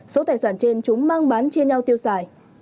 số tài sản trên chúng mang bán chia nhau tiêu xài